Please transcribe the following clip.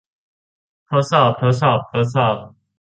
ทดสอบ ทดสอบ ทดสอบ